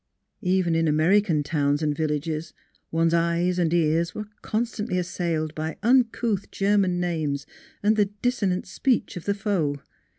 Even in American towns and villages one's eyes and ears were con stantly assailed by uncouth German names and the dissonant speech of the foe.